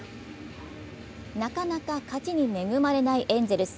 なかなか勝ちに恵まれないエンゼルス。